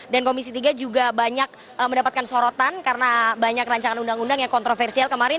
dan komisi tiga juga banyak mendapatkan sorotan karena banyak rancangan undang undang yang kontroversial kemarin